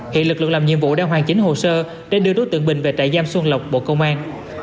hiện lực lượng làm nhiệm vụ đang hoàn chính hồ sơ để đưa đối tượng bình về trại giam xuân lộc bộ công an